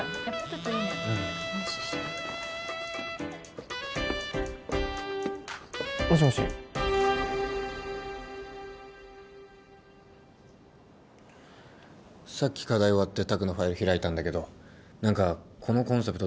無視したもしもしさっき課題終わって拓のファイル開いたんだけど何かこのコンセプト